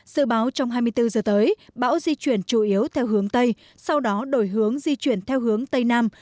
sự báo trong hai mươi bốn giờ tới bão di chuyển chủ yếu theo hướng tây sau đó đổi hướng di chuyển theo hướng tây nam